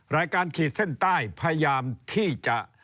รายการขีดเส้นใต้พยายามที่จะ